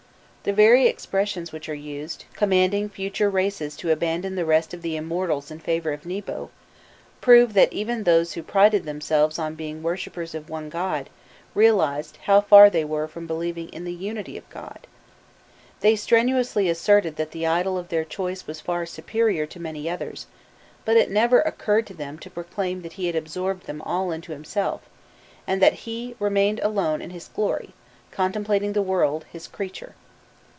The very expressions which are used, commanding future races to abandon the rest of the immortals in favour of Nebo, prove that even those who prided themselves on being worshippers of one god realized how far they were from believing in the unity of God. They strenuously asserted that the idol of their choice was far superior to many others, but it never occurred to them to proclaim that he had absorbed them all into himself, and that he remained alone in his glory, contemplating the world, his creature.